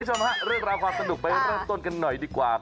คุณผู้ชมฮะเรื่องราวความสนุกไปเริ่มต้นกันหน่อยดีกว่า